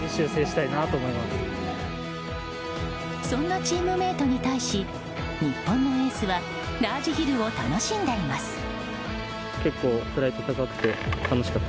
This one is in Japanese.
そんなチームメートに対し日本のエースはラージヒルを楽しんでいます。